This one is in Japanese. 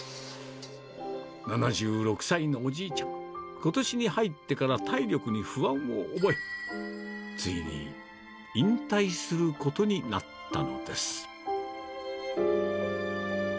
７６歳のおじいちゃん、ことしに入ってから体力に不安を覚え、ついに引退することになったのです。